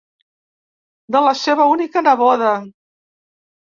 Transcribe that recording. De la seva única neboda.